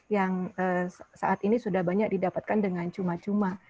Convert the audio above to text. yang saat ini sudah banyak didapatkan dengan cuma cuma